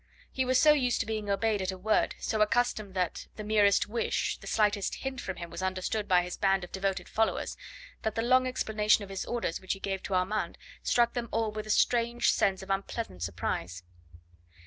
He was so used to being obeyed at a word, so accustomed that the merest wish, the slightest hint from him was understood by his band of devoted followers, that the long explanation of his orders which he gave to Armand struck them all with a strange sense of unpleasant surprise.